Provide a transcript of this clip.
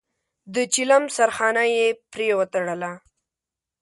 د چيلم سرخانه يې پرې وتړله.